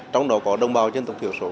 trong đó có đồng bào dân tộc thiểu số